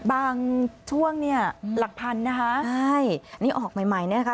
บางช่วงเนี่ยหลักพันนะคะใช่นี่ออกใหม่ใหม่เนี่ยนะคะ